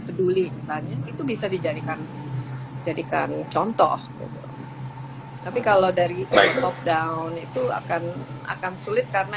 peduli misalnya itu bisa dijadikan jadikan contoh tapi kalau dari lockdown itu akan akan sulit karena